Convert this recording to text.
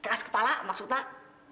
keras kepala maksud nak